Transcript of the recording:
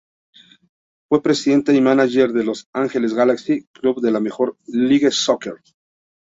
Fue presidente y manager de Los Ángeles Galaxy, club de la Major League Soccer.